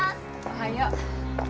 おはよう。